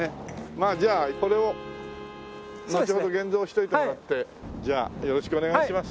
まあじゃあこれをのちほど現像しておいてもらって。じゃあよろしくお願いします。